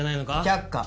却下。